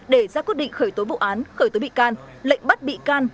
để ra quyết định khởi tối bộ án khởi tối bị can lệnh bắt bị can